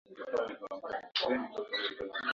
Hizo ni sifa mbaya, jali utu wewe kuliko kitu.